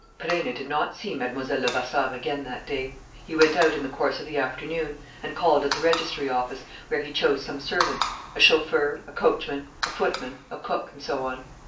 Perenna did not see Mlle. Levasseur again that day. He went out in the course of the afternoon, and called at the registry office, where he chose some servants: a chauffeur, a coachman, a footman, a cook, and so on.